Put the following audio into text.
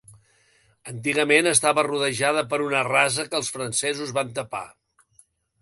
Antigament, estava rodejada per una rasa que els francesos van tapar.